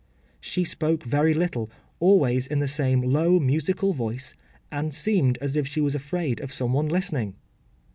She spoke very little, always in the same low musical voice, and seemed as if she was afraid of some one listening.